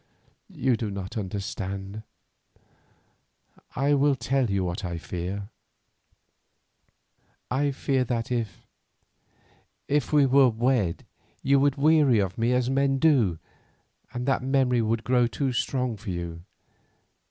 You do not understand. I will tell you what I fear. I fear that if—if we were wed, you would weary of me as men do, and that memory would grow too strong for you.